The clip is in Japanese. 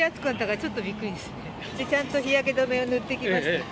ちゃんと日焼け止めを塗ってきました。